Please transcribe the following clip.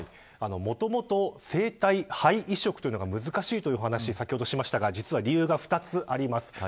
もともと生体肺移植というのが難しいというお話を先ほどしましたが実は理由が２つあります。